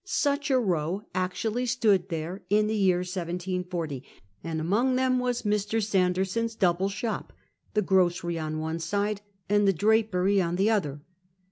Such a row actually stood there in the year 1740, and among them was Mr. Sanderson's double shop — the grocery on one side, and the drapery on the other.